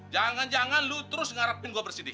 jangan jangan lo terus ngarepin gue bersih